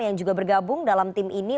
yang juga bergabung dalam tim ini